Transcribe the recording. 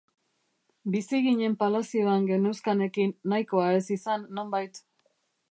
Bizi ginen palazioan geneuzkanekin nahikoa ez izan, nonbait.